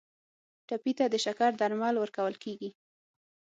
ټپي ته د شکر درمل ورکول کیږي.